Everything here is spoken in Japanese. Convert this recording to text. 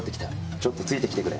ちょっとついて来てくれ。